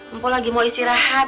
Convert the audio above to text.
empo lagi mau isi rahat